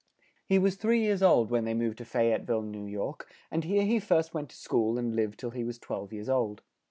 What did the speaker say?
He was three years old when they moved to Fay ette ville, New York, and here he first went to school and lived till he was twelve years old.